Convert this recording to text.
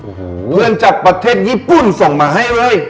โอ้โหเพื่อนจากประเทศญี่ปุ่นส่งมาให้เลย